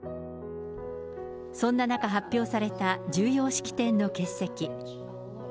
そんな中、発表された重要式典の欠席。